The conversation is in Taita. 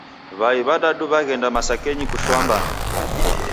W'ai w'adadu w'aghenda masakenyi kushoa mbande.